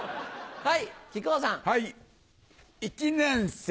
はい。